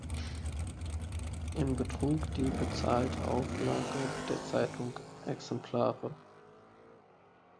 Im betrug die bezahlte Auflage der Zeitung Exemplare.